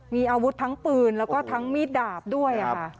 มีอาวุธทั้งปืนแล้วก็ทั้งมีดดาบด้วยค่ะ